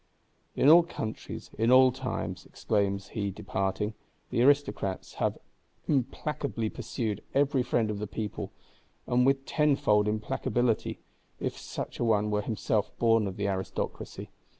"In all countries, in all times," exclaims he departing, "the Aristocrats have implacably pursued every friend of the People; and with tenfold implacability, if such a one were himself born of the Aristocracy.